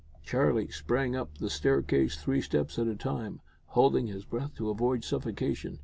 Charlie sprang up the staircase three steps at a time, holding his breath to avoid suffocation.